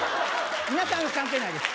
皆さんは関係ないです